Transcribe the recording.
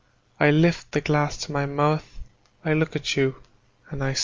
I lift the glass to my mouth, I look at you, and sigh.